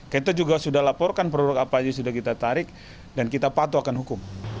kita juga sudah laporkan produk apa aja sudah kita tarik dan kita patuhkan hukum